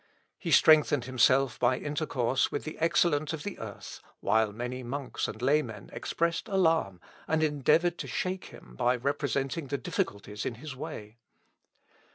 He strengthened himself by intercourse with the excellent of the earth, while many monks and laymen expressed alarm, and endeavoured to shake him by representing the difficulties in his way.